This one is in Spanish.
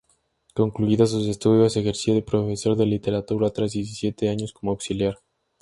Concluidos sus estudios, ejerció de profesor de Literatura tras diecisiete años como auxiliar.